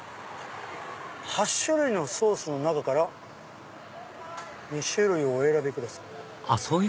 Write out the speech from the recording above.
「８種類ソースのなかから２種類をお選びください」。